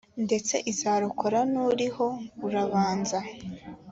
ndetse izarokora n uriho urubanza